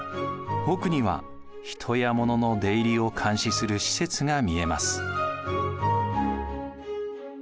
奥には人や物の出入りを監視する施設が見えます。